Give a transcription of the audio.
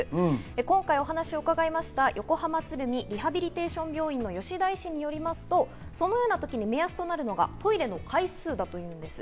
今回、お話を伺った横浜鶴見リハビリテーション病院の吉田医師によりますと、そのような時に目安となるのがトイレの回数だというんです。